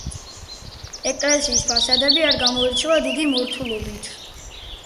ეკლესიის ფასადები არ გამოირჩევა დიდი მორთულობით.